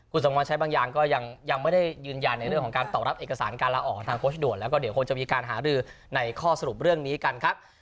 คุณสังวรใช้บางอย่างก็ยังไม่ได้ยืนยันในเรื่องของการตอบรับเอกสารการลาออกทางโค้ชด่วนแล้วก็เดี๋ยวคงจะมีการหารือในข้อสรุปเรื่องนี้กันครับ